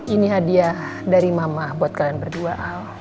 ini hadiah dari mama buat kalian berdua